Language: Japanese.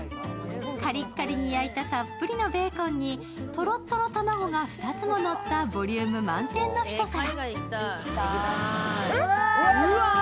カリッカリに焼いた、たっぷりのベーコンに、とろっとろ卵が２つものったボリューム満点の一皿。